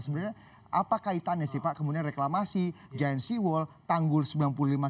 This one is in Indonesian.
sebenarnya apa kaitannya sih pak kemudian reklamasi giant sea wall tanggul sebenarnya